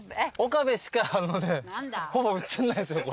岡部しかほぼ写んないんすよ。